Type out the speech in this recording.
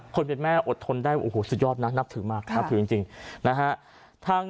คนเป็นแม่อดทนได้สุดยอดนะนับถือมากนับถือจริง